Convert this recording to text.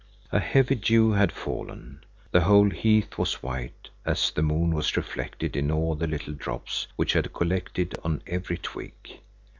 A heavy dew had fallen. The whole heath was white, as the moon was reflected in all the little drops, which had collected on every twig.